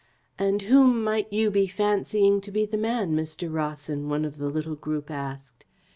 "And whom might you be fancying to be the man, Mr. Rawson?" one of the little group asked.